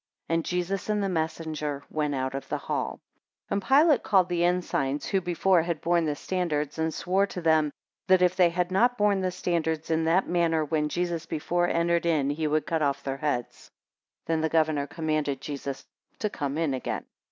And Jesus and the messenger went out of the hall. 29 And Pilate called the ensigns who before had borne the standards, and swore to them, that if they had not borne the standards in that manner when Jesus before entered in, he would cut off their heads. 30 Then the governor commanded Jesus to come in again.